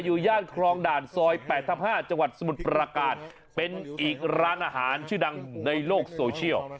อยู่ย่างสมุทรปราการเป็นอีกร้านอาหารชื่อดังในโลกโซเชียล